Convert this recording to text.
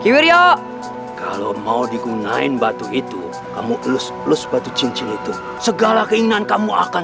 kiwiryok kalau mau digunain batu itu kamu elus elus batu cincin itu segala keinginan kamu akan